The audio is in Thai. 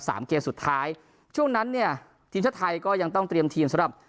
เกมสุดท้ายช่วงนั้นเนี่ยทีมชาติไทยก็ยังต้องเตรียมทีมสำหรับ